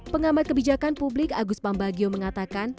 pengamat kebijakan publik agus pambagio mengatakan